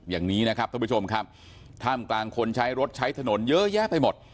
อย่างนี้นะครับท่านผู้ชมครับท่ามกลางคนใช้รถใช้ถนนเยอะแยะไปหมด